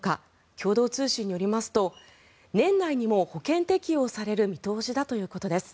共同通信によりますと年内にも保険適用される見通しだということです。